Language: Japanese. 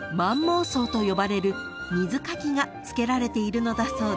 ［と呼ばれる水かきがつけられているのだそうです］